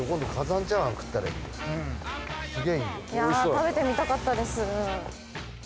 食べてみたかったです。